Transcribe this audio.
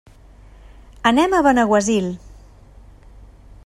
Anem a Benaguasil.